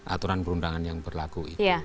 aturan perundangan yang berlaku itu